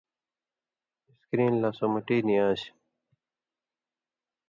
اِسکِرین لا سو مٹی نی آن٘سیۡ،